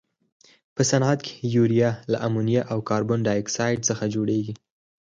په صنعت کې یوریا له امونیا او کاربن ډای اکسایډ څخه جوړیږي.